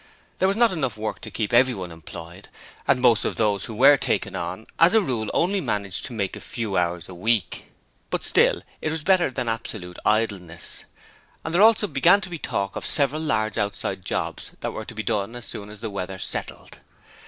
There was not enough work to keep everyone employed, and most of those who were taken on as a rule only managed to make a few hours a week, but still it was better than absolute idleness, and there also began to be talk of several large outside jobs that were to be done as soon as the weather was settled.